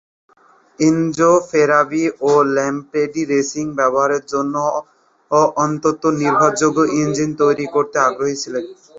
Enzo Ferrari এবং Lampredi racing ব্যবহারের জন্য অত্যন্ত নির্ভরযোগ্য ইঞ্জিন তৈরি করতে আগ্রহী ছিলেন।